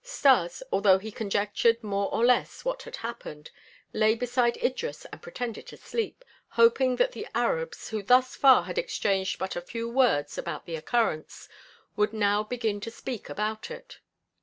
Stas, although he conjectured more or less what had happened, lay beside Idris and pretended to sleep, hoping that the Arabs, who thus far had exchanged but a few words about the occurrence, would now begin to speak about it.